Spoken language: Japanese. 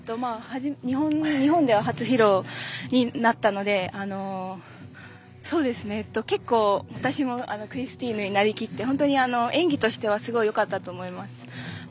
日本では初披露になったので結構、私もクリスティーヌになりきって本当に演技としてはすごいよかったと思います。